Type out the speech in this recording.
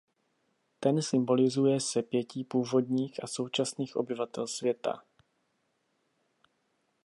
Ten symbolizuje sepětí původních a současných obyvatel města.